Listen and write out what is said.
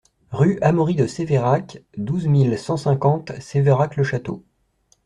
Rue Amaury de Séverac, douze mille cent cinquante Sévérac-le-Château